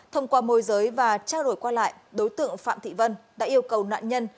thông qua môi giới và trao đổi qua lại đối tượng phạm thị vân đã yêu cầu nạn nhân